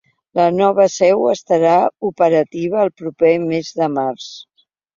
La nova seu estarà operativa el proper mes de març.